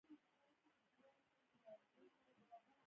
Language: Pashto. زه خپلي وړتیاوي یو لوی نعمت بولم.